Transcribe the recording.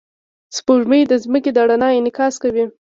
سپوږمۍ د ځمکې د رڼا انعکاس کوي